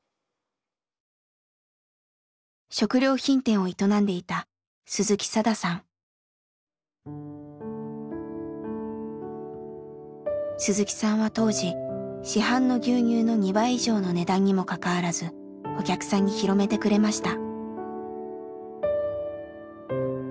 食料品店を営んでいた鈴木さんは当時市販の牛乳の２倍以上の値段にもかかわらずお客さんに広めてくれました。